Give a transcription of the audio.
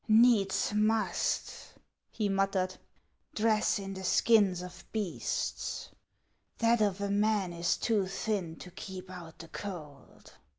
" Xeeds must," he muttered, " dress in the skins of beasts ; that of a man is too thin to keep out the cold."